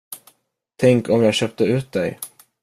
Tänk om jag köpte ut dig?